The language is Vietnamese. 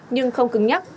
nhưng không cứng nhắc